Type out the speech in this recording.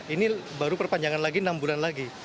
ini baru perpanjangan lagi enam bulan lagi